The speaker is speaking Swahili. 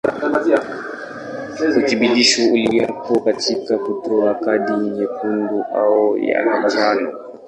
Uthibitisho uliopo katika kutoa kadi nyekundu au ya njano.